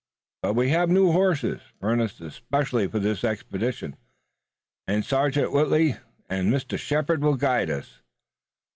But we have new horses, furnished especially for this expedition, and Sergeant Whitley and Mr. Shepard will guide us.